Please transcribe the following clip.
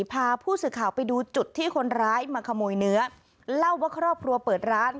พาผู้สื่อข่าวไปดูจุดที่คนร้ายมาขโมยเนื้อเล่าว่าครอบครัวเปิดร้าน